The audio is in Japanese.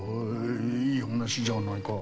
いい話じゃないか。